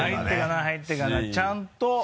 入っていかないちゃんと。